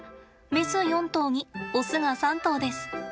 メス４頭にオスが３頭です。